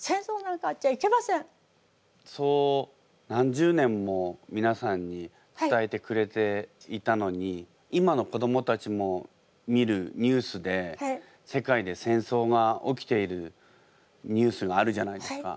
そう何十年もみなさんに伝えてくれていたのにいまの子どもたちも見るニュースで世界で戦争が起きているニュースがあるじゃないですか。